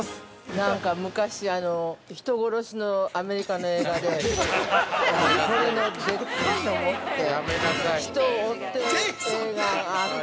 ◆何か、昔、人殺しのアメリカの映画で、これのでっかいのを持って人を追ってる映画があって。